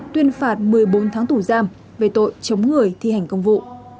tuyên phạt một mươi bốn tháng tù giam về tội chống người thi hành công vụ